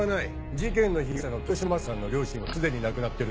事件の被害者の豊島昌也さんの両親はすでに亡くなってる。